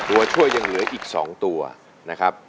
ตัวช่วยยังเหลืออีก๒ตัวนะครับ